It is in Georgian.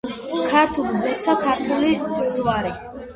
ქართული ზეცა, ქართული ზვარი,